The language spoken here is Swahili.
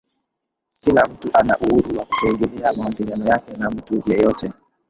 kila mtu ana uhuru wa kutoingilia mawasiliano yake na mtu yeyote